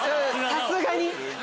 さすがに！